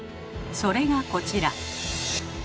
それがこちら。